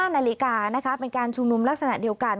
นาฬิกาเป็นการชุมนุมลักษณะเดียวกัน